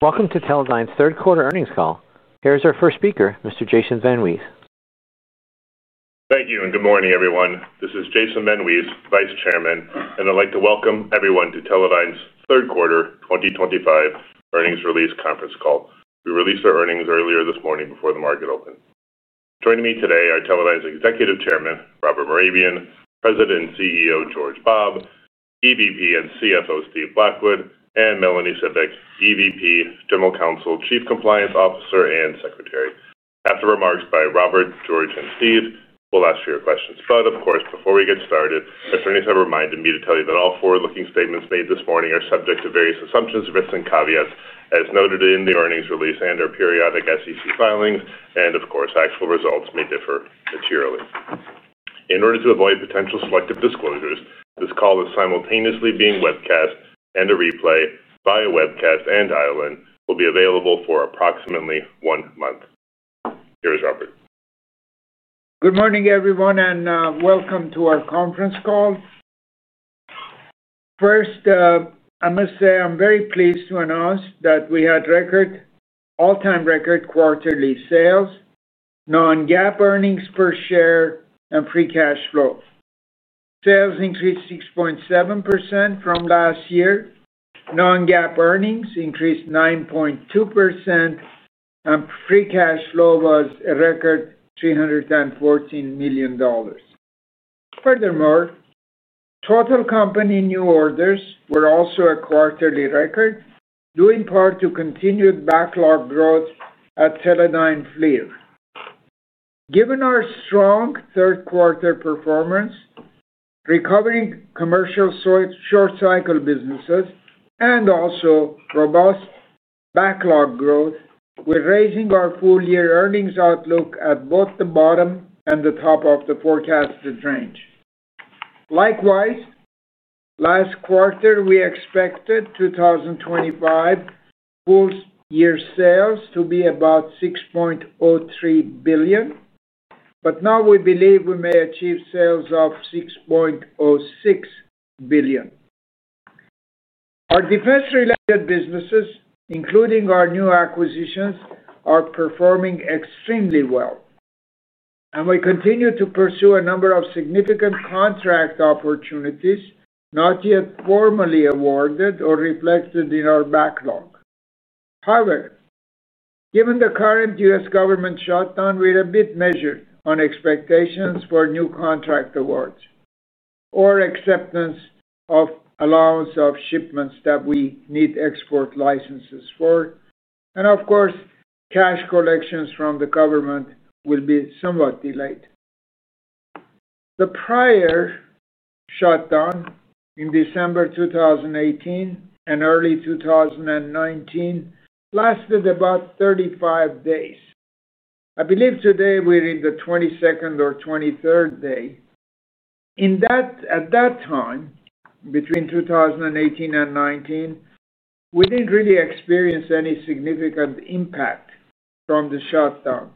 Welcome to Teledyne's Third Quarter Earnings Call. Here is our first speaker, Mr. Jason VanWees. Thank you, and good morning, everyone. This is Jason VanWees, Vice Chairman, and I'd like to welcome everyone to Teledyne's Third Quarter 2025 Earnings Release conference call. We released our earnings earlier this morning before the market opened. Joining me today are Teledyne's Executive Chairman, Robert Mehrabian; President and CEO, George Bobb; EVP and CFO, Steve Blackwood; and Melanie Cibik, EVP, General Counsel, Chief Compliance Officer, and Secretary. After remarks by Robert, George, and Steve, we'll ask your questions. Of course, before we get started, attorneys have reminded me to tell you that all forward-looking statements made this morning are subject to various assumptions, risks, and caveats as noted in the earnings release and our periodic SEC filings, and actual results may differ materially. In order to avoid potential selective disclosures, this call is simultaneously being webcast, and a replay via webcast and dial-in will be available for approximately one month. Here is Robert. Good morning, everyone, and welcome to our conference call. First, I must say I'm very pleased to announce that we had record, all-time record quarterly sales, non-GAAP earnings per share, and free cash flow. Sales increased 6.7% from last year, non-GAAP earnings increased 9.2%, and free cash flow was a record $314 million. Furthermore, total company new orders were also a quarterly record, due in part to continued backlog growth at Teledyne FLIR. Given our strong third-quarter performance, recovering commercial short-cycle businesses, and also robust backlog growth, we're raising our full-year earnings outlook at both the bottom and the top of the forecasted range. Likewise, last quarter, we expected 2025 full-year sales to be about $6.03 billion, but now we believe we may achieve sales of $6.06 billion. Our defense-related businesses, including our new acquisitions, are performing extremely well, and we continue to pursue a number of significant contract opportunities not yet formally awarded or reflected in our backlog. However, given the current U.S. government shutdown, we're a bit measured on expectations for new contract awards or acceptance of allowance of shipments that we need export licenses for, and of course, cash collections from the government will be somewhat delayed. The prior shutdown in December 2018 and early 2019 lasted about 35 days. I believe today we're in the 22nd or 23rd day. At that time, between 2018 and 2019, we didn't really experience any significant impact from the shutdown,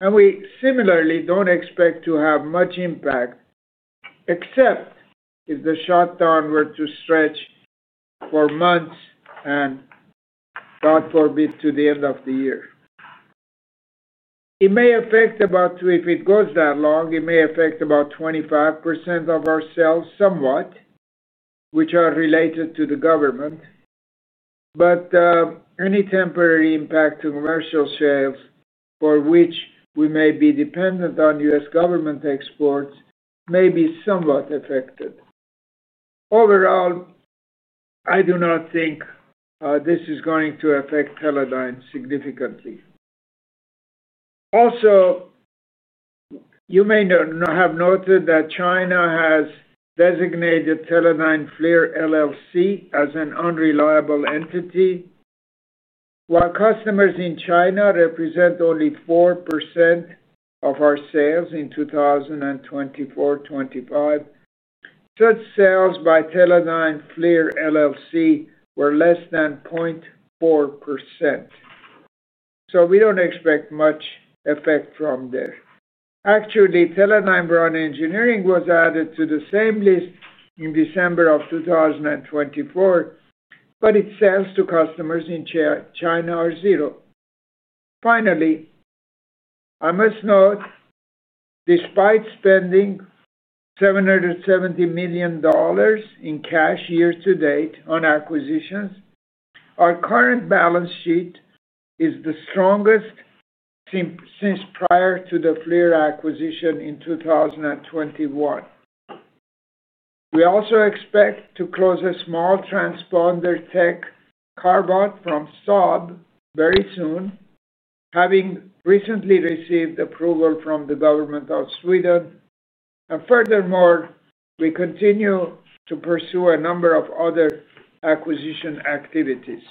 and we similarly don't expect to have much impact except if the shutdown were to stretch for months and, God forbid, to the end of the year. It may affect about, if it goes that long, it may affect about 25% of our sales somewhat, which are related to the government, but any temporary impact to commercial sales for which we may be dependent on U.S. government exports may be somewhat affected. Overall, I do not think this is going to affect Teledyne significantly. Also, you may have noted that China has designated Teledyne FLIR LLC as an unreliable entity. While customers in China represent only 4% of our sales in 2024-2025, such sales by Teledyne FLIR LLC were less than 0.4%. We don't expect much effect from there. Actually, Teledyne Brown Engineering was added to the same list in December 2024, but its sales to customers in China are zero. Finally, I must note, despite spending $770 million in cash year-to-date on acquisitions, our current balance sheet is the strongest since prior to the FLIR acquisition in 2021. We also expect to close a small TransponderTech acquisition bought from Saab very soon, having recently received approval from the government of Sweden. Furthermore, we continue to pursue a number of other acquisition activities.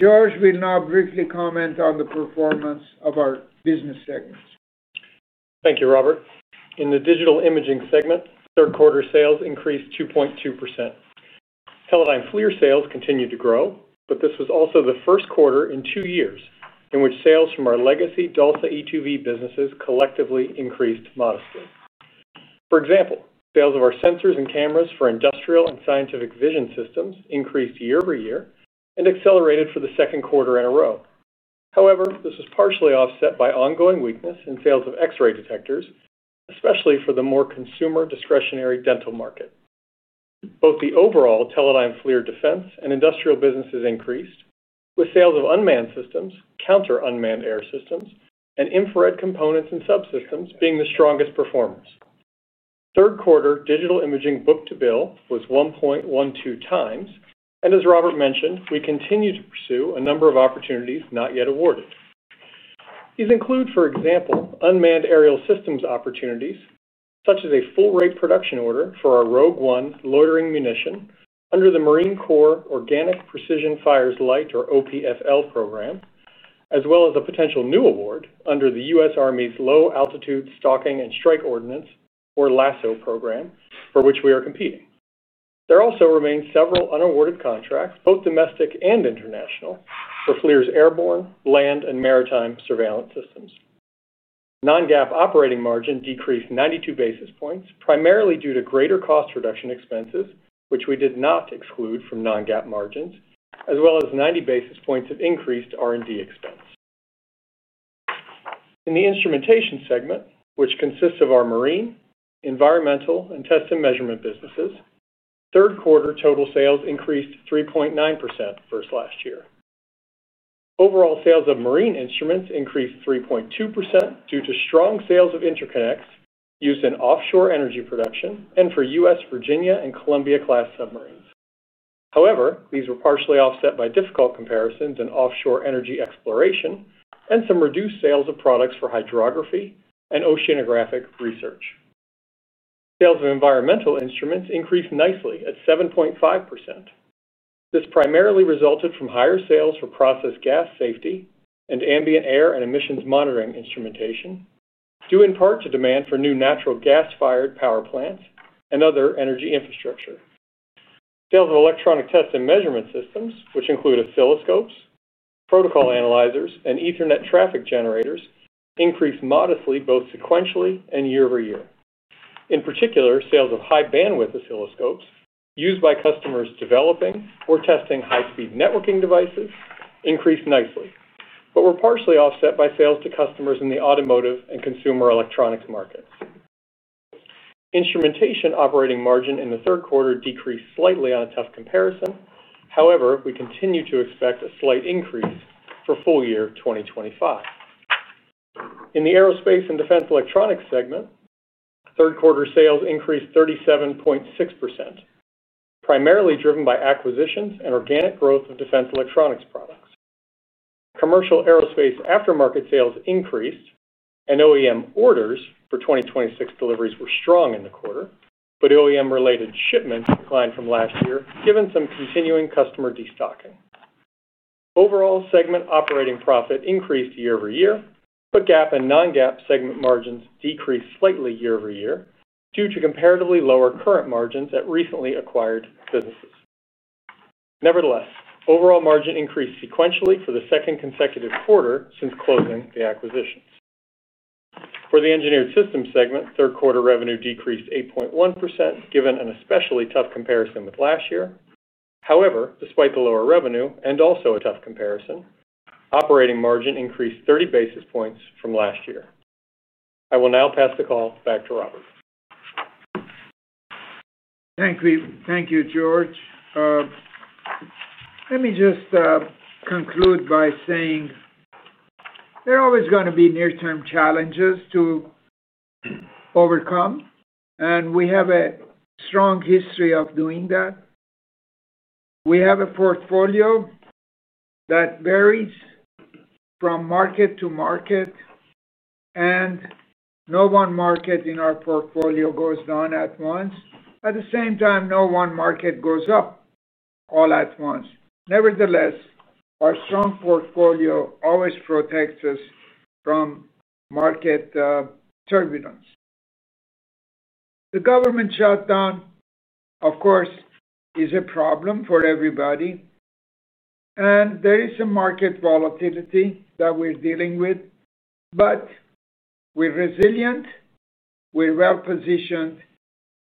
George will now briefly comment on the performance of our business segments. Thank you, Robert. In the Digital Imaging segment, third-quarter sales increased 2.2%. Teledyne FLIR sales continued to grow, but this was also the first quarter in 2 years in which sales from our legacy DALSA and e2v businesses collectively increased modestly. For example, sales of our sensors and cameras for industrial and scientific vision systems increased year-over-year and accelerated for the second quarter in a row. However, this was partially offset by ongoing weakness in sales of X-ray detectors, especially for the more consumer discretionary dental market. Both the overall Teledyne FLIR defense and industrial businesses increased, with sales of unmanned systems, counter-unmanned air systems, and infrared components and subsystems being the strongest performers. Third-quarter Digital Imaging book-to-bill was 1.12x, and as Robert mentioned, we continue to pursue a number of opportunities not yet awarded. These include, for example, unmanned aerial systems opportunities, such as a full-rate production order for our Rogue 1 loitering munition under the Marine Corps Organic Precision Fires-Light, or OPFL, program, as well as a potential new award under the U.S. Army's Low Altitude Stocking and Strike Ordnance, or LASSO, program for which we are competing. There also remain several unawarded contracts, both domestic and international, for FLIR's airborne, land, and maritime surveillance systems. Non-GAAP operating margin decreased 92 basis points, primarily due to greater cost reduction expenses, which we did not exclude from non-GAAP margins, as well as 90 basis points of increased R&D expense. In the Instrumentation segment, which consists of our marine, environmental, and test and measurement businesses, third-quarter total sales increased 3.9% versus last year. Overall sales of marine instruments increased 3.2% due to strong sales of interconnects used in offshore energy production and for U.S. Virginia and Columbia-class submarines. However, these were partially offset by difficult comparisons in offshore energy exploration and some reduced sales of products for hydrography and oceanographic research. Sales of environmental instruments increased nicely at 7.5%. This primarily resulted from higher sales for process gas safety and ambient air and emissions monitoring instrumentation, due in part to demand for new natural gas-fired power plants and other energy infrastructure. Sales of electronic test and measurement systems, which include oscilloscopes, protocol analyzers, and Ethernet traffic generators, increased modestly both sequentially and year-over-year. In particular, sales of high-bandwidth oscilloscopes used by customers developing or testing high-speed networking devices increased nicely, but were partially offset by sales to customers in the automotive and consumer electronics markets. Instrumentation operating margin in the third quarter decreased slightly on a tough comparison. However, we continue to expect a slight increase for full-year 2025. In the Aerospace & Defense Electronics segment, third-quarter sales increased 37.6%, primarily driven by acquisitions and organic growth of defense electronics products. Commercial aerospace aftermarket sales increased, and OEM orders for 2026 deliveries were strong in the quarter, but OEM-related shipments declined from last year, given some continuing customer destocking. Overall segment operating profit increased year-over-year, but GAAP and non-GAAP segment margins decreased slightly year-over-year due to comparatively lower current margins at recently acquired businesses. Nevertheless, overall margin increased sequentially for the second consecutive quarter since closing the acquisitions. For the Engineered Systems segment, third-quarter revenue decreased 8.1%, given an especially tough comparison with last year. However, despite the lower revenue and also a tough comparison, operating margin increased 30 basis points from last year. I will now pass the call back to Robert. Thank you, George. Let me just conclude by saying there are always going to be near-term challenges to overcome, and we have a strong history of doing that. We have a portfolio that varies from market to market, and no one market in our portfolio goes down at once. At the same time, no one market goes up all at once. Nevertheless, our strong portfolio always protects us from market turbulence. The government shutdown, of course, is a problem for everybody, and there is some market volatility that we're dealing with, but we're resilient, we're well-positioned,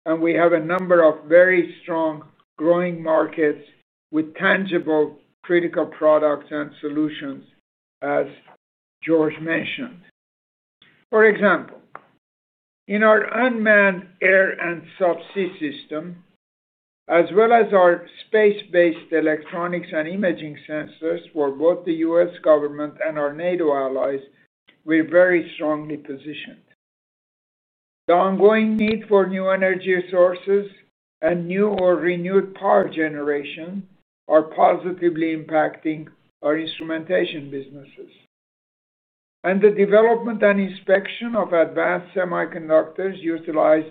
and we have a number of very strong growing markets with tangible critical products and solutions, as George mentioned. For example, in our unmanned air and subsea system, as well as our space-based electronics and imaging sensors for both the U.S. government and our NATO allies, we're very strongly positioned. The ongoing need for new energy sources and new or renewed power generation are positively impacting our instrumentation businesses. The development and inspection of advanced semiconductors utilize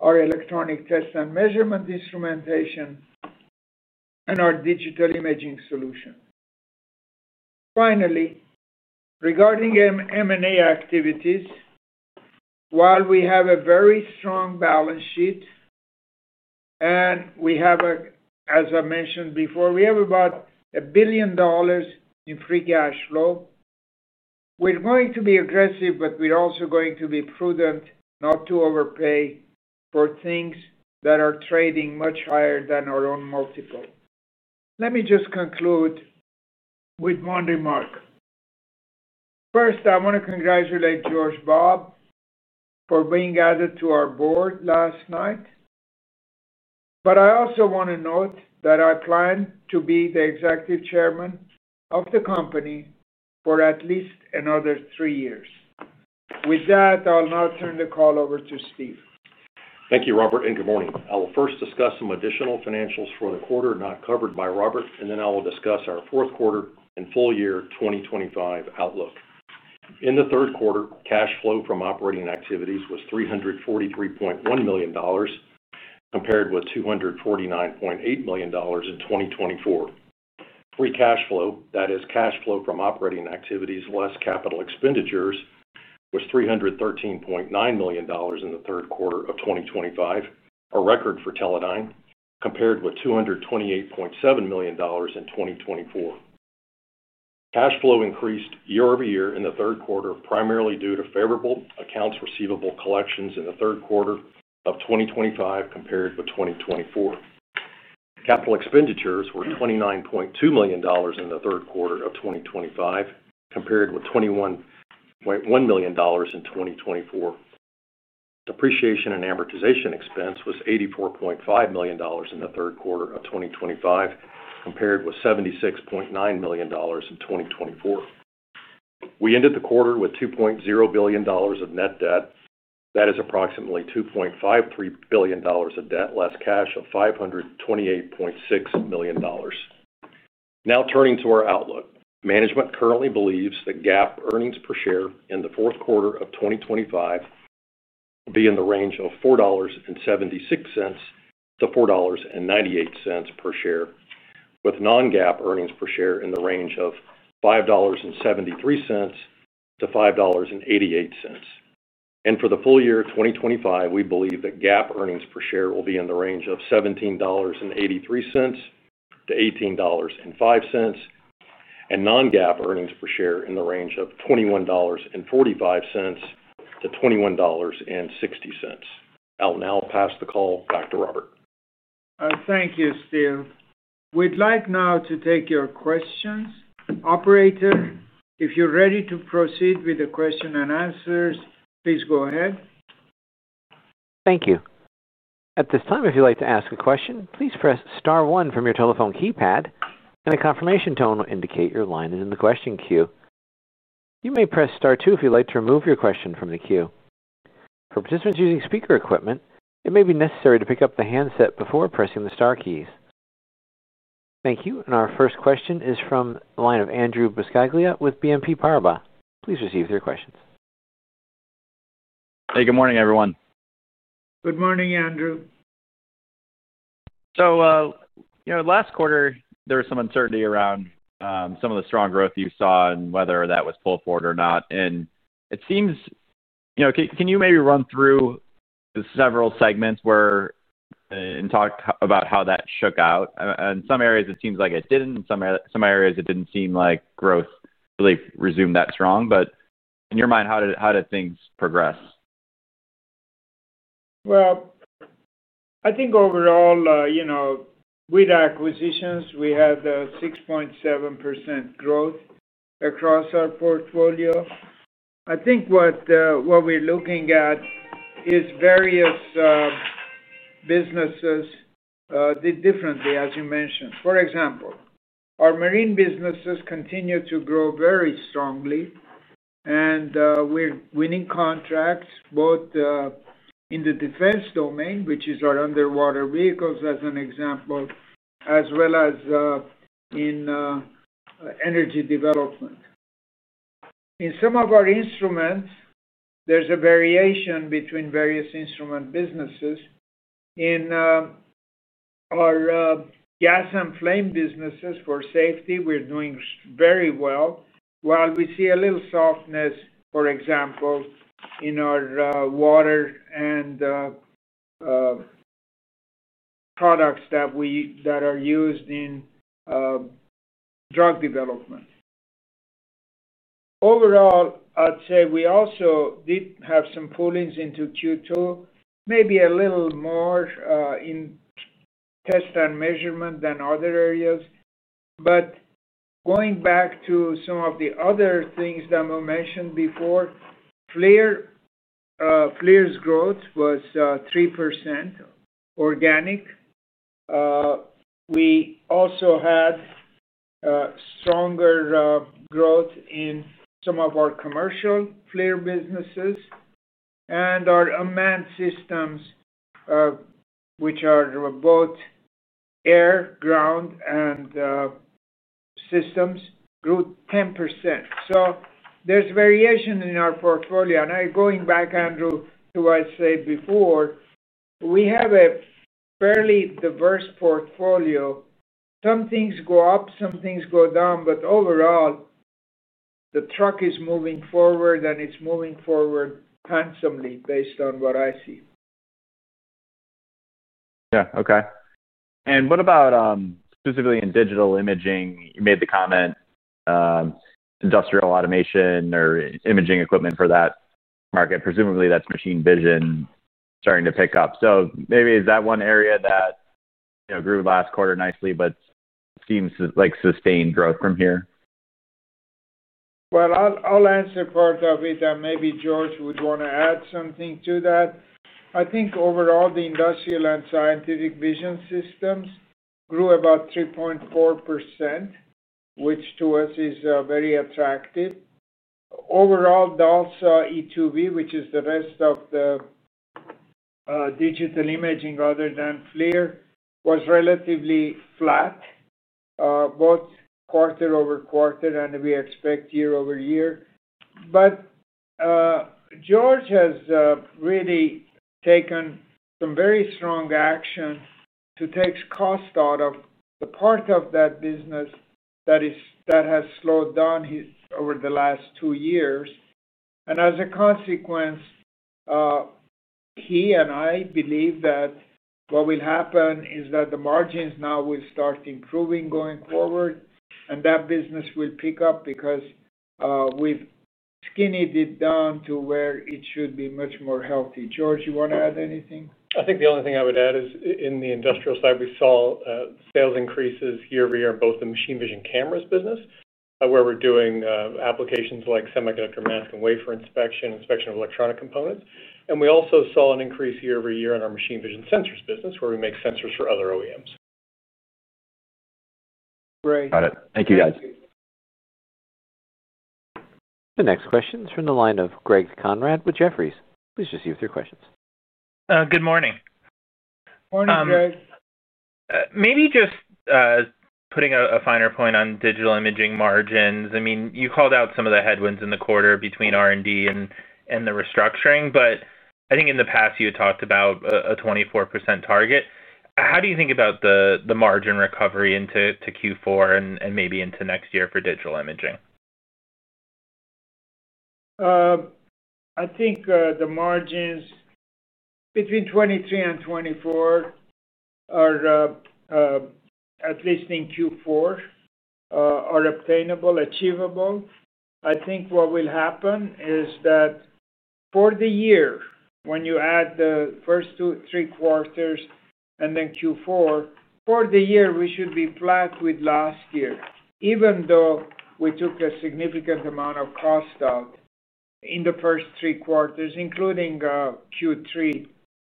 our electronic test and measurement instrumentation and our digital imaging solution. Finally, regarding M&A activities, while we have a very strong balance sheet and we have, as I mentioned before, about $1 billion in free cash flow, we're going to be aggressive, but we're also going to be prudent not to overpay for things that are trading much higher than our own multiple. Let me just conclude with one remark. First, I want to congratulate George Bobb for being added to our board last night, but I also want to note that I plan to be the Executive Chairman of the company for at least another three years. With that, I'll now turn the call over to Steve. Thank you, Robert, and good morning. I will first discuss some additional financials for the quarter not covered by Robert, and then I will discuss our fourth quarter and full-year 2025 outlook. In the third quarter, cash flow from operating activities was $343.1 million compared with $249.8 million in 2024. Free cash flow, that is, cash flow from operating activities less capital expenditures, was $313.9 million in the third quarter of 2025, a record for Teledyne, compared with $228.7 million in 2024. Cash flow increased year-over-year in the third quarter, primarily due to favorable accounts receivable collections in the third quarter of 2025 compared with 2024. Capital expenditures were $29.2 million in the third quarter of 2025 compared with $21.1 million in 2024. Depreciation and amortization expense was $84.5 million in the third quarter of 2025 compared with $76.9 million in 2024. We ended the quarter with $2.0 billion of net debt. That is approximately $2.53 billion of debt less cash of $528.6 million. Now turning to our outlook, management currently believes that GAAP earnings per share in the fourth quarter of 2025 will be in the range of $4.76-$4.98 per share, with non-GAAP earnings per share in the range of $5.73-$5.88. For the full year 2025, we believe that GAAP earnings per share will be in the range of $17.83-$18.05, and non-GAAP earnings per share in the range of $21.45-$21.60. I'll now pass the call back to Robert. Thank you, Steve. We'd like now to take your questions. Operator, if you're ready to proceed with the question-and-answers, please go ahead. Thank you. At this time, if you'd like to ask a question, please press star one from your telephone keypad, and a confirmation tone will indicate your line is in the question queue. You may press star two if you'd like to remove your question from the queue. For participants using speaker equipment, it may be necessary to pick up the handset before pressing the star keys. Thank you. Our first question is from the line of Andrew Buscaglia with BNP Paribas. Please proceed with your questions. Hey, good morning, everyone. Good morning, Andrew. Last quarter there was some uncertainty around some of the strong growth you saw and whether that was pulled forward or not. Can you maybe run through the several segments and talk about how that shook out? In some areas, it seems like it didn't. In some areas, it didn't seem like growth really resumed that strong. In your mind, how did things progress? I think overall, you know, with acquisitions, we had 6.7% growth across our portfolio. I think what we're looking at is various businesses did differently, as you mentioned. For example, our marine businesses continue to grow very strongly, and we're winning contracts both in the defense domain, which is our underwater vehicles as an example, as well as in energy development. In some of our instruments, there's a variation between various instrument businesses. In our gas and flame businesses for safety, we're doing very well, while we see a little softness, for example, in our water and products that are used in drug development. Overall, I'd say we also did have some pullings into Q2, maybe a little more in test and measurement than other areas. Going back to some of the other things that were mentioned before, FLIR's growth was 3% organic. We also had stronger growth in some of our commercial FLIR businesses. Our unmanned systems, which are both air, ground, and systems, grew 10%. There's variation in our portfolio. Going back, Andrew, to what I said before, we have a fairly diverse portfolio. Some things go up, some things go down, but overall, the truck is moving forward, and it's moving forward handsomely based on what I see. Okay. What about, specifically in digital imaging? You made the comment, industrial automation or imaging equipment for that market. Presumably, that's machine vision starting to pick up. Is that one area that grew last quarter nicely, but seems to sustain growth from here? I'll answer part of it, and maybe George would want to add something to that. I think overall, the industrial and scientific vision systems grew about 3.4%, which to us is very attractive. Overall, DALSA, e2v, which is the rest of the digital imaging rather than FLIR, was relatively flat, both quarter-over-quarter, and we expect year-over-year. George has really taken some very strong action to take cost out of the part of that business that has slowed down over the last 2 years. As a consequence, he and I believe that what will happen is that the margins now will start improving going forward, and that business will pick up because we've skinnied it down to where it should be much more healthy. George, you want to add anything? I think the only thing I would add is in the industrial side, we saw sales increases year-over-year in both the machine vision cameras business, where we're doing applications like semiconductor mask and wafer inspection, inspection of electronic components. We also saw an increase year-over-year in our machine vision sensors business where we make sensors for other OEMs. Great. Got it. Thank you, guys. The next question is from the line of Greg Konrad with Jefferies. Please receive your questions. good morning. Morning, Greg. Maybe just putting a finer point on digital imaging margins. I mean, you called out some of the headwinds in the quarter between R&D and the restructuring, but I think in the past, you had talked about a 24% target. How do you think about the margin recovery into Q4 and maybe into next year for digital imaging? I think the margins between 2023 and 2024 are, at least in Q4, obtainable, achievable. I think what will happen is that for the year, when you add the first two, three quarters and then Q4, for the year, we should be flat with last year, even though we took a significant amount of cost out in the first three quarters, including Q3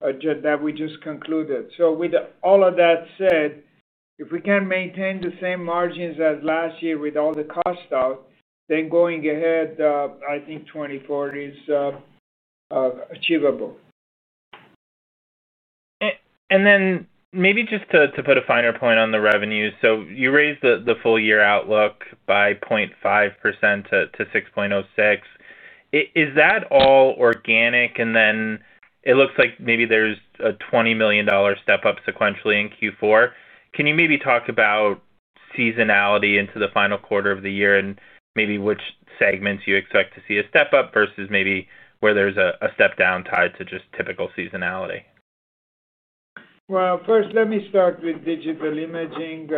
that we just concluded. With all of that said, if we can maintain the same margins as last year with all the cost out, then going ahead, I think 2024 is achievable. To put a finer point on the revenues, you raised the full-year outlook by 0.5% to $6.06 billion. Is that all organic? It looks like maybe there's a $20 million step-up sequentially in Q4. Can you talk about seasonality into the final quarter of the year and which segments you expect to see a step-up versus where there's a step-down tied to just typical seasonality? Let me start with digital imaging.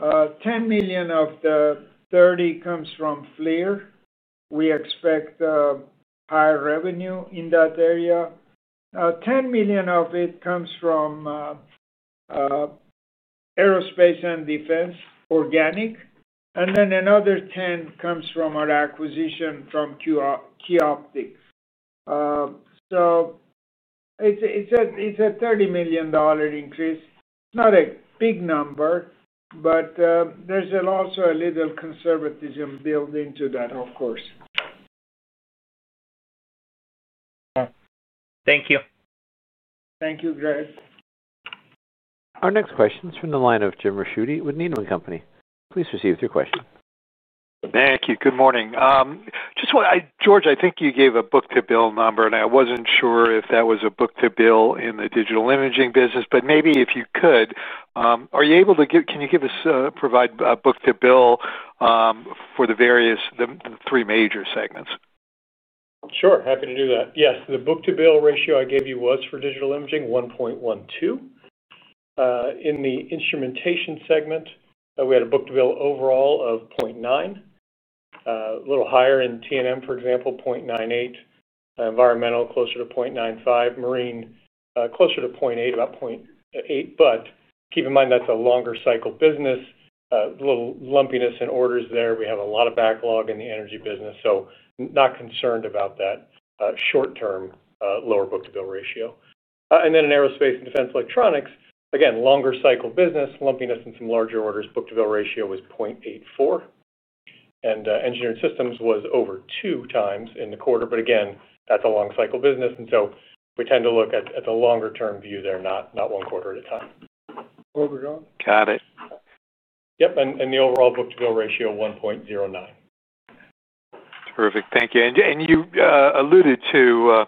$10 million of the $30 million comes from FLIR. We expect higher revenue in that area. $10 million of it comes from aerospace and defense, organic. Another $10 million comes from our acquisition from Q-Optics. It's a $30 million increase. It's not a big number, but there's also a little conservatism built into that, of course. Okay, thank you. Thank you, Greg. Our next question is from the line of James Ricchiuti with Needham & Company. Please receive your question. Thank you. Good morning. George, I think you gave a book-to-bill number, and I wasn't sure if that was a book-to-bill in the digital imaging business, but maybe if you could, are you able to give, can you give us, provide a book-to-bill for the various, the three major segments? Sure. Happy to do that. Yes. The book-to-bill ratio I gave you was for Digital Imaging, 1.12x. In the Instrumentation segment, we had a book-to-bill overall of 0.9x, a little higher in T&M, for example, 0.98x. Environmental, closer to 0.95x. Marine, closer to 0.8x, about 0.8x. Keep in mind that's a longer cycle business, a little lumpiness in orders there. We have a lot of backlog in the energy business, so not concerned about that, short-term, lower book-to-bill ratio. In Aerospace and Defense Electronics, again, longer cycle business, lumpiness in some larger orders, book-to-bill ratio was 0.84x. Engineered Systems was over 2x in the quarter, but again, that's a long cycle business. We tend to look at the longer-term view there, not one quarter at a time. Overall. Got it. Yep. The overall book-to-bill ratio is [1.09] Terrific. Thank you. You alluded to,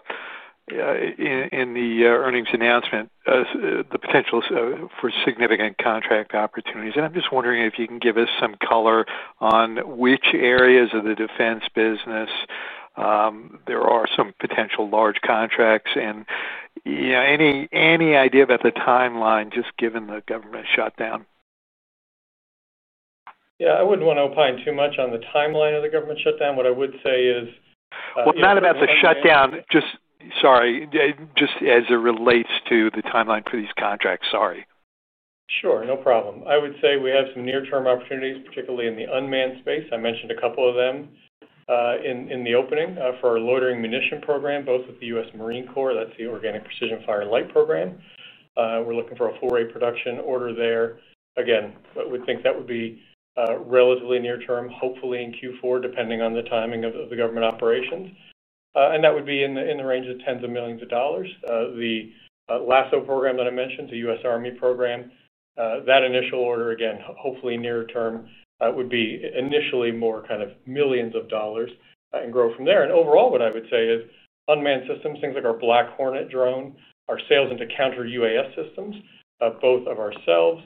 in the earnings announcement, the potential for significant contract opportunities. I'm just wondering if you can give us some color on which areas of the defense business there are some potential large contracts, and any idea about the timeline just given the government shutdown? Yeah. I wouldn't want to opine too much on the timeline of the government shutdown. What I would say is, Not about the shutdown. Just as it relates to the timeline for these contracts. Sorry. Sure. No problem. I would say we have some near-term opportunities, particularly in the unmanned space. I mentioned a couple of them in the opening, for our loitering munition program, both with the U.S. Marine Corps. That's the Organic Precision Fire-Light program. We're looking for a full-rate production order there. I would think that would be relatively near-term, hopefully in Q4, depending on the timing of the government operations. That would be in the range of tens of millions of dollars. The LASSO program that I mentioned, the U.S. Army program, that initial order, hopefully near-term, would be initially more kind of millions of dollars and grow from there. Overall, what I would say is unmanned systems, things like our Black Hornet drone, our sales into counter-unmanned air systems, both of ourselves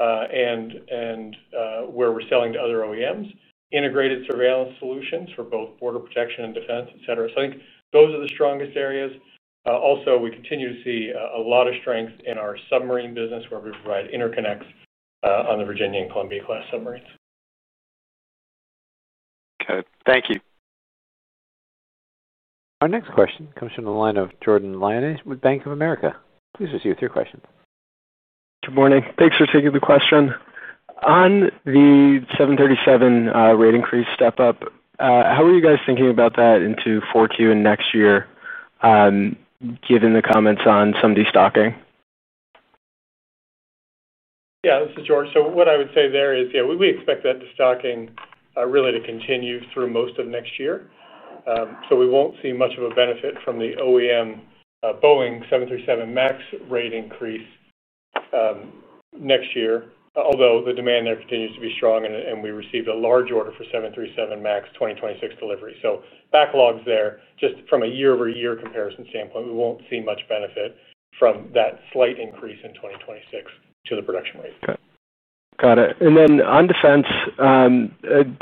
and where we're selling to other OEMs, integrated surveillance solutions for both border protection and defense, etc. I think those are the strongest areas. Also, we continue to see a lot of strength in our submarine business where we provide interconnects on the Virginia and Columbia-class submarines. Okay, thank you. Our next question comes from the line of Jordan Lyonnais with Bank of America. Please receive your question. Good morning. Thanks for taking the question. On the 737 rate increase step-up, how are you guys thinking about that into [fourth] year and next year, given the comments on some destocking? Yeah. This is George. What I would say there is, yeah, we expect that destocking really to continue through most of next year. We won't see much of a benefit from the OEM, Boeing 737 MAX rate increase next year, although the demand there continues to be strong and we received a large order for 737 MAX 2026 delivery. Backlogs there. Just from a year-over-year comparison standpoint, we won't see much benefit from that slight increase in 2026 to the production rate. Okay. Got it. Do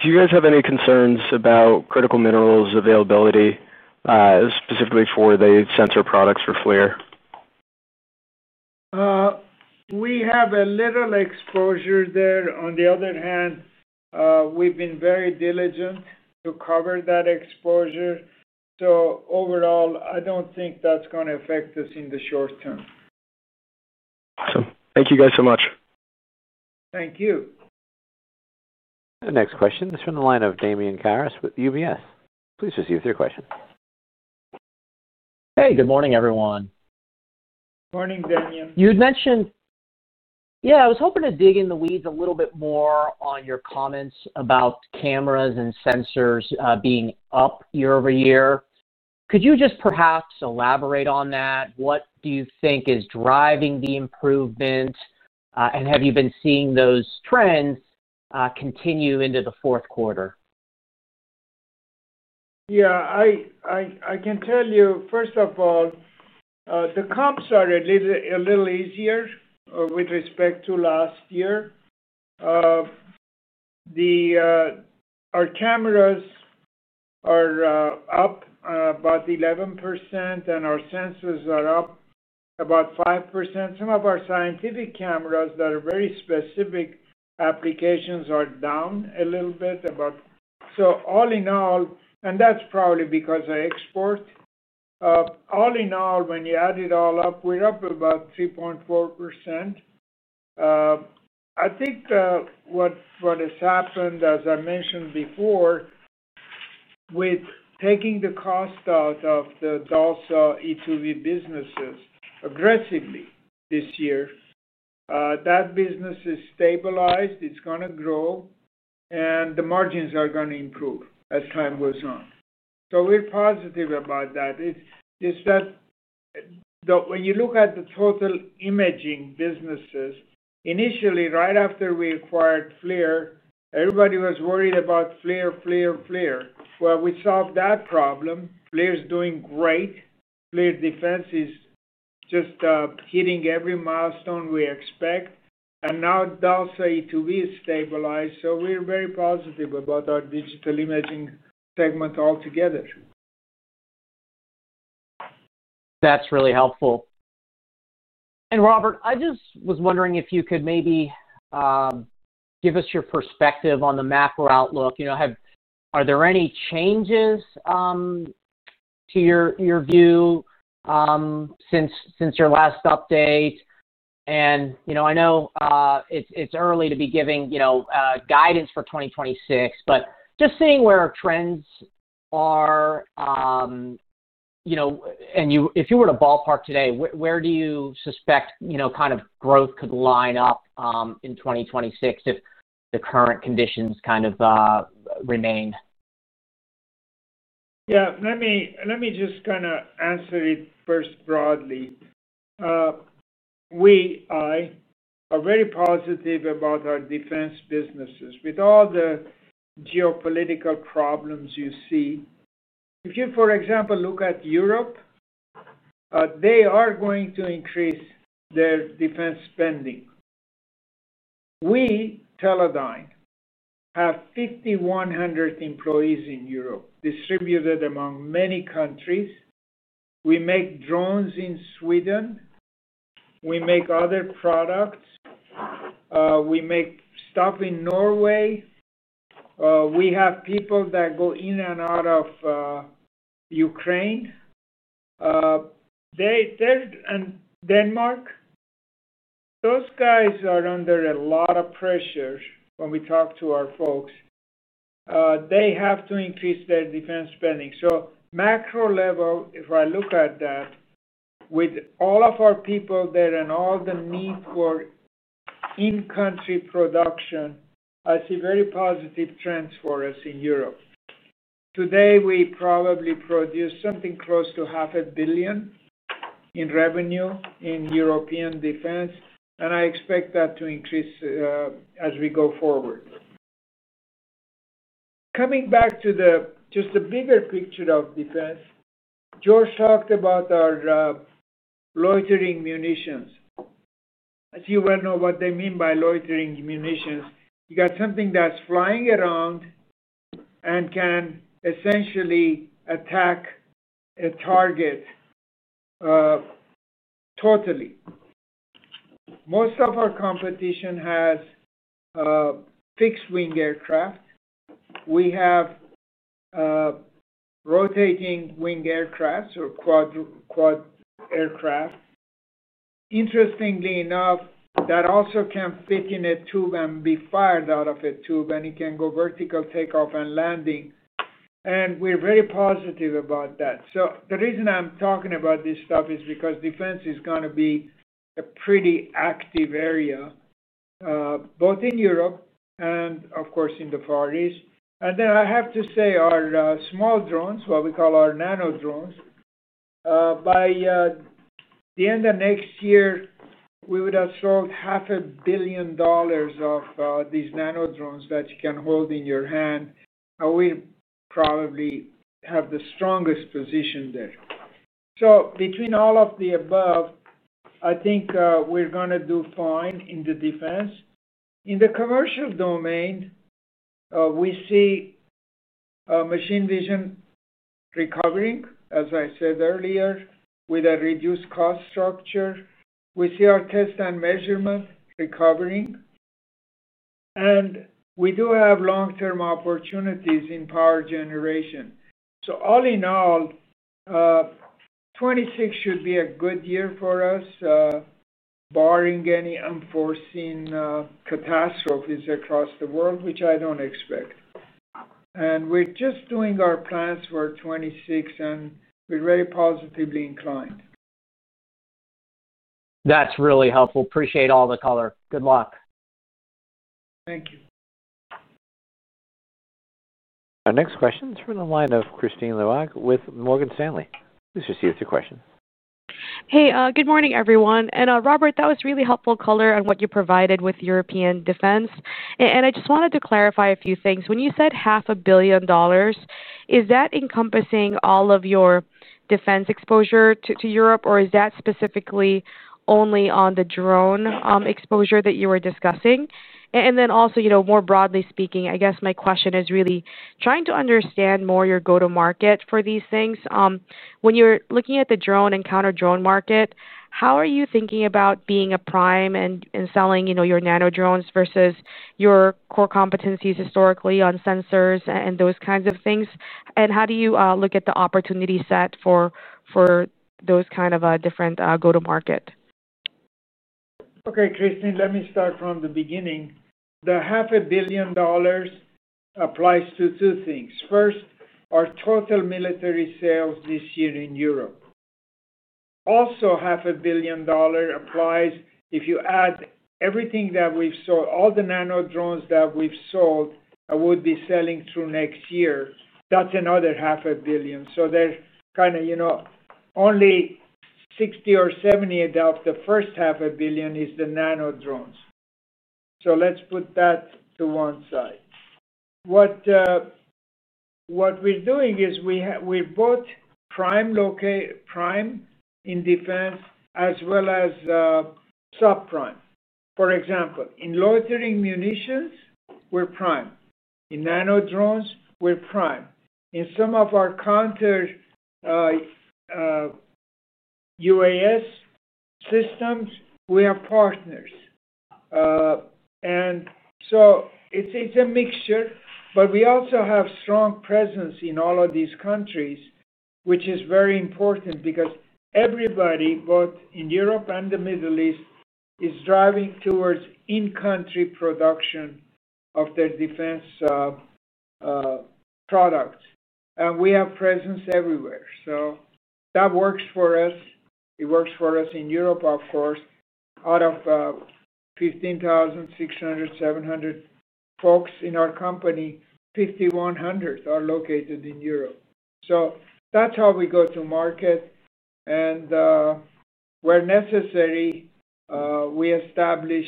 you guys have any concerns about critical minerals availability, specifically for the sensor products for FLIR? We have a little exposure there. On the other hand, we've been very diligent to cover that exposure. Overall, I don't think that's going to affect us in the short term. Awesome. Thank you guys so much. Thank you. The next question is from the line of Damian Karas with UBS. Please proceed with your question. Hey, good morning, everyone. Morning, Damian. You had mentioned. Yeah. I was hoping to dig in the weeds a little bit more on your comments about cameras and sensors being up year-over-year. Could you just perhaps elaborate on that? What do you think is driving the improvement, and have you been seeing those trends continue into the fourth quarter? Yeah. I can tell you, first of all, the comps are a little easier, with respect to last year. The, our cameras are up about 11%, and our sensors are up about 5%. Some of our scientific cameras that are very specific applications are down a little bit, about. All in all, and that's probably because I export. All in all, when you add it all up, we're up about 3.4%. I think what has happened, as I mentioned before, with taking the cost out of the DALSA, e2v businesses aggressively this year, that business has stabilized. It's going to grow, and the margins are going to improve as time goes on. We are positive about that. It's just that, when you look at the total imaging businesses, initially, right after we acquired FLIR, everybody was worried about FLIR, FLIR, FLIR. We solved that problem. FLIR's doing great. FLIR defense is just hitting every milestone we expect. Now DALSA, e2v is stabilized, so we're very positive about our digital imaging segment altogether. That's really helpful. Robert, I just was wondering if you could maybe give us your perspective on the macro outlook. Are there any changes to your view since your last update? I know it's early to be giving guidance for 2026, but just seeing where our trends are, if you were to ballpark today, where do you suspect growth could line up in 2026 if the current conditions remain? Let me just kind of answer it first broadly. We are very positive about our defense businesses with all the geopolitical problems you see. If you, for example, look at Europe, they are going to increase their defense spending. We, Teledyne, have 5,100 employees in Europe, distributed among many countries. We make drones in Sweden. We make other products. We make stuff in Norway. We have people that go in and out of Ukraine. They're in Denmark. Those guys are under a lot of pressure when we talk to our folks. They have to increase their defense spending. At a macro level, if I look at that, with all of our people there and all the need for in-country production, I see very positive trends for us in Europe. Today, we probably produce something close $500 million in revenue in European defense, and I expect that to increase as we go forward. Coming back to the bigger picture of defense, George talked about our loitering munitions. As you well know, what they mean by loitering munitions, you got something that's flying around and can essentially attack a target, totally. Most of our competition has fixed-wing aircraft. We have rotating-wing aircraft or quad aircraft. Interestingly enough, that also can fit in a tube and be fired out of a tube, and it can go vertical takeoff and landing. We're very positive about that. The reason I'm talking about this stuff is because defense is going to be a pretty active area, both in Europe and, of course, in the Far East. I have to say our small drones, what we call our nano drones, by the end of next year, we would have $500 million of these nano drones that you can hold in your hand. We probably have the strongest position there. Between all of the above, I think we're going to do fine in defense. In the commercial domain, we see machine vision recovering, as I said earlier, with a reduced cost structure. We see our test and measurement recovering. We do have long-term opportunities in power generation. All in all, 2026 should be a good year for us, barring any unforeseen catastrophes across the world, which I don't expect. We're just doing our plans for 2026, and we're very positively inclined. That's really helpful. Appreciate all the color. Good luck. Thank you. Our next question is from the line of Kristine Liwag with Morgan Stanley. Please proceed with your question. Hey, good morning, everyone. Robert, that was really helpful color on what you provided with European defense. I just wanted to clarify a few things. When $500 million, is that encompassing all of your defense exposure to Europe, or is that specifically only on the drone exposure that you were discussing? Also, more broadly speaking, I guess my question is really trying to understand more your go-to-market for these things. When you're looking at the drone and counter-unmanned air systems market, how are you thinking about being a prime and selling your nano drones versus your core competencies historically on sensors and those kinds of things? How do you look at the opportunity set for those kind of different go-to-market? Okay, Christine, let me start from the $500 million applies to two things. First, our total military sales this year in $500 million applies if you add everything that we've sold, all the nano drones that we've sold and would be selling through next year. $500 million. They're kind of, you know, only 60 or 70 of $500 million is the nano drones. Let's put that to one side. What we're doing is we're both prime in defense as well as subprime. For example, in loitering munitions, we're prime. In nano drones, we're prime. In some of our counter-unmanned air systems, we have partners. It's a mixture, but we also have strong presence in all of these countries, which is very important because everybody, both in Europe and the Middle East, is driving towards in-country production of their defense products. We have presence everywhere. That works for us. It works for us in Europe, of course. Out of 15,600, 15,,700 folks in our company, 5,100 are located in Europe. That's how we go to market, and where necessary, we establish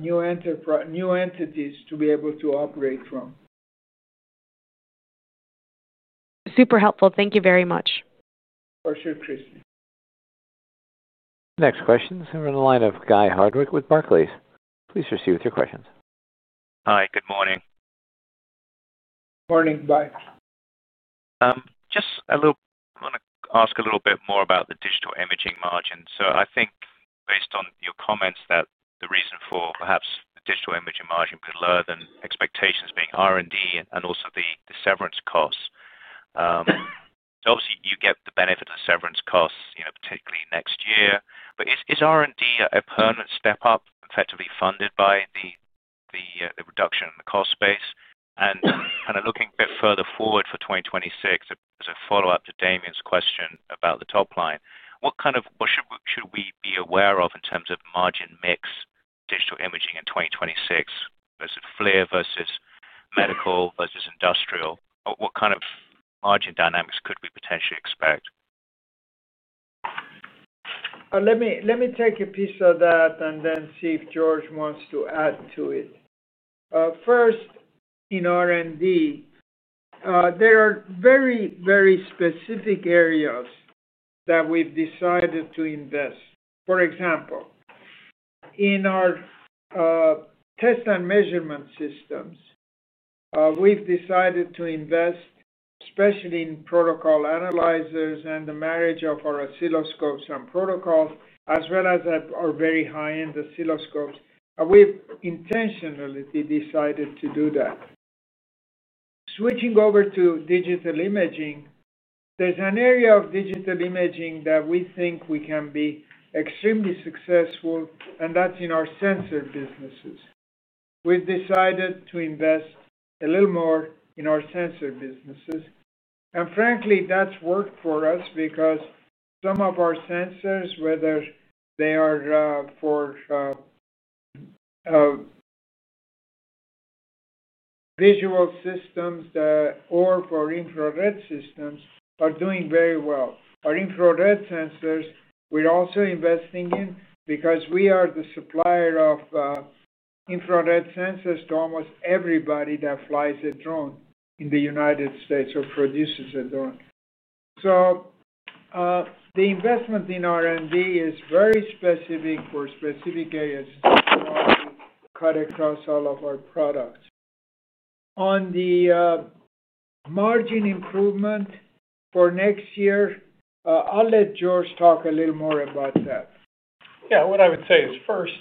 new entities to be able to operate from. Super helpful. Thank you very much. For sure, Christine. Next question is from the line of Guy Hardwick with Barclays. Please proceed with your questions. Hi. Good morning. Morning, Guy. I want to ask a little bit more about the digital imaging margins. I think based on your comments that the reason for perhaps the digital imaging margin could be lower than expectations being R&D and also the severance costs. Obviously, you get the benefit of the severance costs, particularly next year. Is R&D a permanent step-up effectively funded by the reduction in the cost base? Kind of looking a bit further forward for 2026, as a follow-up to Damian's question about the top line, what should we be aware of in terms of margin mix for digital imaging in 2026 versus FLIR versus medical versus industrial? What kind of margin dynamics could we potentially expect? Let me take a piece of that and then see if George wants to add to it. First, in R&D, there are very, very specific areas that we've decided to invest. For example, in our test and measurement systems, we've decided to invest especially in protocol analyzers and the marriage of our oscilloscopes and protocols, as well as our very high-end oscilloscopes. We've intentionally decided to do that. Switching over to digital imaging, there's an area of digital imaging that we think we can be extremely successful, and that's in our sensor businesses. We've decided to invest a little more in our sensor businesses. Frankly, that's worked for us because some of our sensors, whether they are for visual systems or for infrared systems, are doing very well. Our infrared sensors, we're also investing in because we are the supplier of infrared sensors to almost everybody that flies a drone in the United States or produces a drone. The investment in R&D is very specific for specific areas. It's not going to cut across all of our products. On the margin improvement for next year, I'll let George talk a little more about that. Yeah. What I would say is first,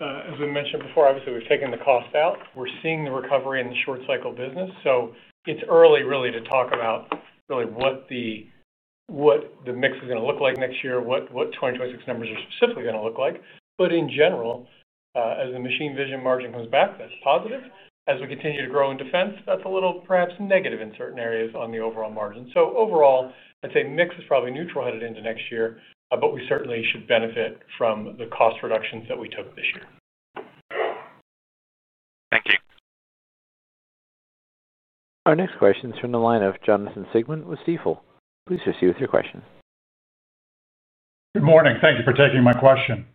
as we mentioned before, obviously, we've taken the cost out. We're seeing the recovery in the short-cycle business. It's early, really, to talk about what the mix is going to look like next year, what 2026 numbers are specifically going to look like. In general, as the machine vision margin comes back, that's positive. As we continue to grow in defense, that's a little perhaps negative in certain areas on the overall margin. Overall, I'd say mix is probably neutral headed into next year, but we certainly should benefit from the cost reductions that we took this year. Thank you. Our next question is from the line of Jonathan Siegmann with Stifel. Please receive your question. Good morning. Thank you for taking my question.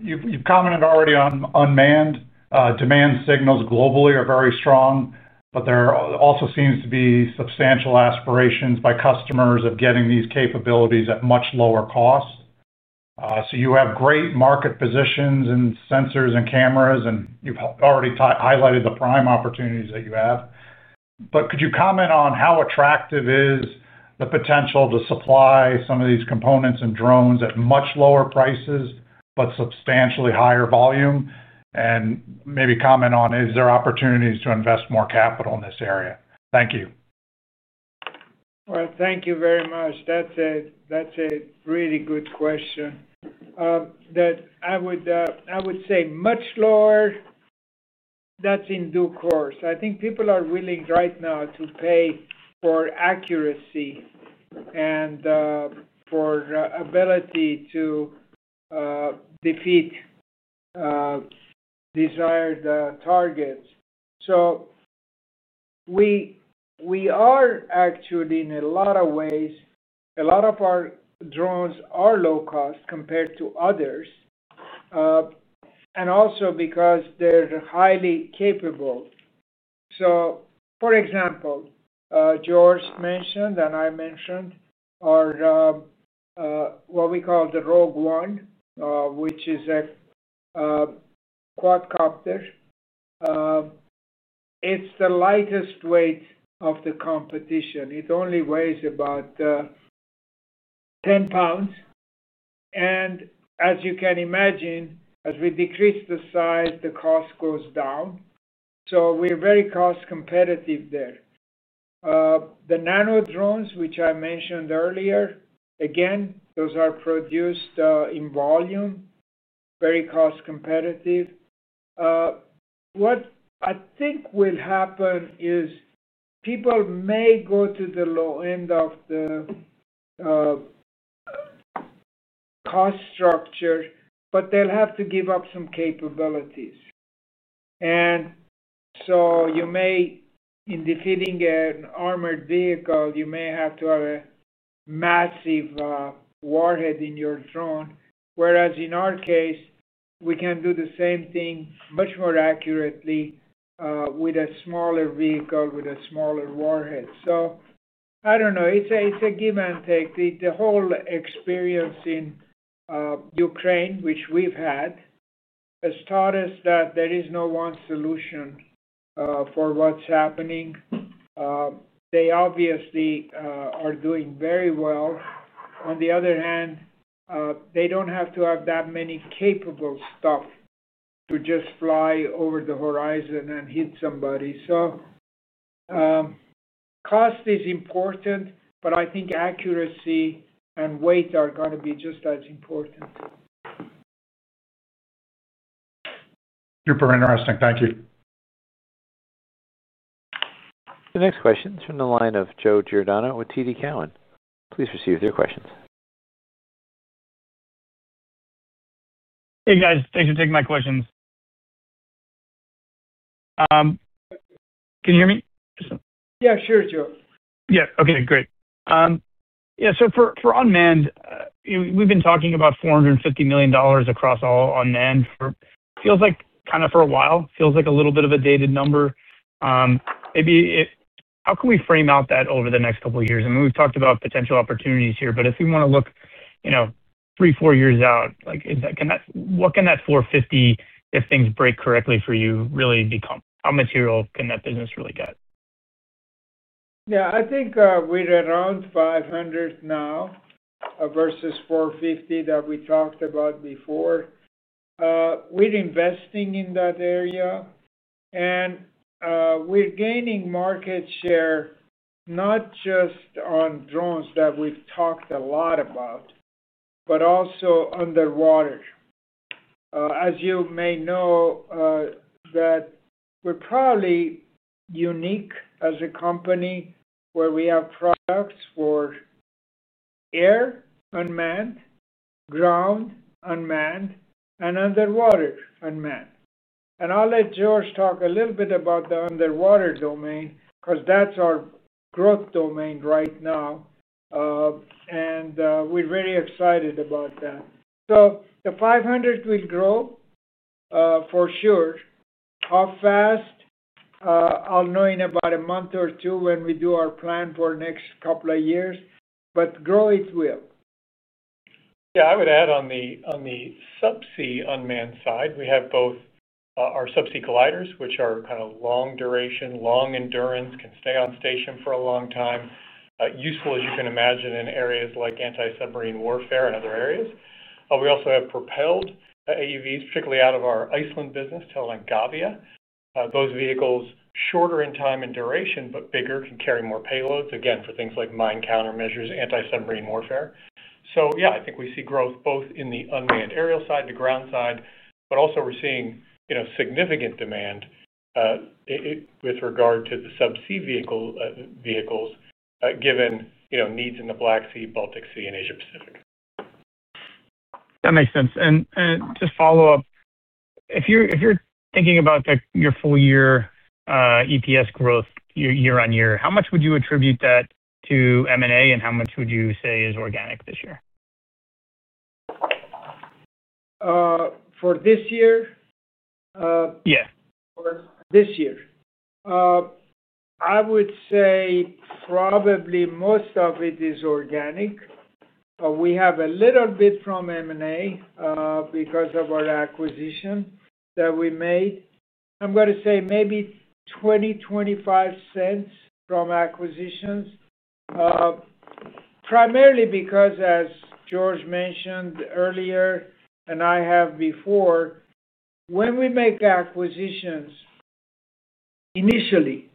You've commented already on unmanned. Demand signals globally are very strong, but there also seems to be substantial aspirations by customers of getting these capabilities at much lower costs. You have great market positions in sensors and cameras, and you've already highlighted the prime opportunities that you have. Could you comment on how attractive is the potential to supply some of these components and drones at much lower prices but substantially higher volume? Maybe comment on, is there opportunities to invest more capital in this area? Thank you. Thank you very much. That's a really good question. I would say much lower, that's in due course. I think people are willing right now to pay for accuracy and for ability to defeat desired targets. We are actually, in a lot of ways, a lot of our drones are low cost compared to others, and also because they're highly capable. For example, George mentioned and I mentioned our, what we call the Rogue 1, which is a quadcopter. It's the lightest weight of the competition. It only weighs about 10 pounds. As you can imagine, as we decrease the size, the cost goes down. We're very cost-competitive there. The nano drones, which I mentioned earlier, again, those are produced in volume, very cost-competitive. What I think will happen is people may go to the low end of the cost structure, but they'll have to give up some capabilities. You may, in defeating an armored vehicle, have to have a massive warhead in your drone, whereas in our case, we can do the same thing much more accurately with a smaller vehicle with a smaller warhead. I don't know. It's a give and take. The whole experience in Ukraine, which we've had, has taught us that there is no one solution for what's happening. They obviously are doing very well. On the other hand, they don't have to have that many capable stuff to just fly over the horizon and hit somebody. Cost is important, but I think accuracy and weight are going to be just as important. Super interesting. Thank you. The next question is from the line of Joe Giordano with TD Cowen. Please proceed with your questions. Hey, guys. Thanks for taking my questions. Can you hear me? Yeah. Sure, Joe. Yeah. Okay. Great. Yeah. For unmanned, you know, we've been talking about $450 million across all unmanned for feels like kind of for a while, feels like a little bit of a dated number. Maybe it, how can we frame out that over the next couple of years? I mean, we've talked about potential opportunities here, but if we want to look, you know, three, four years out, like is that, can that, what can that $450 million, if things break correctly for you, really become? How material can that business really get? Yeah. I think we're at $500 million now, versus $450 million that we talked about before. We're investing in that area, and we're gaining market share not just on drones that we've talked a lot about, but also underwater. As you may know, we're probably unique as a company where we have products for air unmanned, ground unmanned, and underwater unmanned. I'll let George talk a little bit about the underwater domain because that's our growth domain right now, and we're very excited about that. The $500 million will grow, for sure. How fast? I'll know in about a month or two when we do our plan for the next couple of years. Grow, it will. Yeah. I would add on the subsea unmanned side, we have both our subsea gliders, which are kind of long duration, long endurance, can stay on station for a long time, useful, as you can imagine, in areas like anti-submarine warfare and other areas. We also have propelled AUVs, particularly out of our Iceland business, Teledyne Gavia. Those vehicles, shorter in time and duration, but bigger, can carry more payloads, again, for things like mine countermeasures, anti-submarine warfare. I think we see growth both in the unmanned aerial side, the ground side, but also we're seeing significant demand with regard to the subsea vehicles, given needs in the Black Sea, Baltic Sea, and Asia Pacific. That makes sense. If you're thinking about your full-year EPS growth year on year, how much would you attribute that to M&A, and how much would you say is organic this year? for this year? Yeah. For this year, I would say probably most of it is organic. We have a little bit from M&A, because of our acquisition that we made. I'm going to say maybe $0.20, $0.25 from acquisitions, primarily because, as George mentioned earlier and I have before, when we make acquisitions, initially,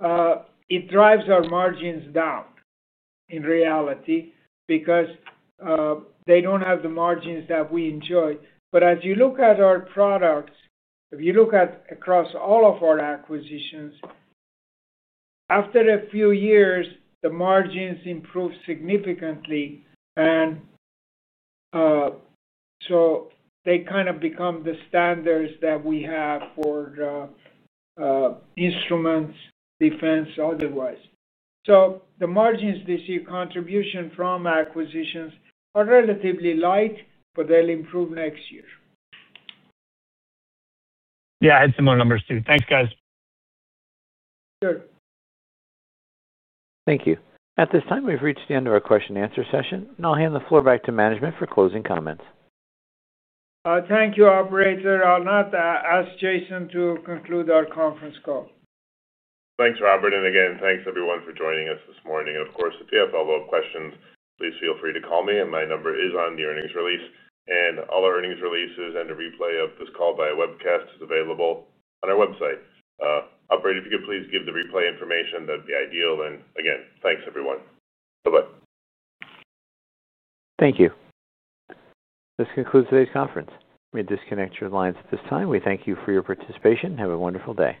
it drives our margins down in reality because they don't have the margins that we enjoy. If you look at our products, if you look across all of our acquisitions, after a few years, the margins improve significantly. They kind of become the standards that we have for instruments, defense, otherwise. The margins this year, contribution from acquisitions are relatively light, but they'll improve next year. Yeah, I had similar numbers too. Thanks, guys. Sure. Thank you. At this time, we've reached the end of our question-and-answer session, and I'll hand the floor back to management for closing comments. Thank you, operator. I'll now ask Jason to conclude our conference call. Thanks, Robert. Thanks, everyone, for joining us this morning. If you have follow-up questions, please feel free to call me, and my number is on the earnings release. All our earnings releases and a replay of this call via webcast are available on our website. Operator, if you could please give the replay information, that'd be ideal. Thanks, everyone. Bye-bye. Thank you. This concludes today's conference. We'll disconnect your lines at this time. We thank you for your participation. Have a wonderful day.